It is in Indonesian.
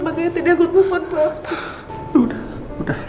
makanya tadi aku takut sama papa